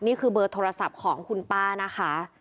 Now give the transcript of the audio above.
นี่คือเบอร์โทรศัพท์ของคุณป้านะคะ